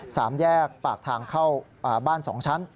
สามแยกปากทางเข้าบ้านสองชั้น